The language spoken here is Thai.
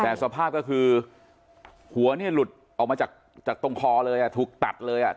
แต่สภาพก็คือหัวเนี่ยหลุดออกมาจากตรงคอเลยถูกตัดเลยอ่ะ